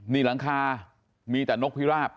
นี่หลังคามีแต่นกพิราบ